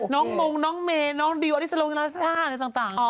น้องมงน้องเมน้องดิวอธิสรงราชาต่าง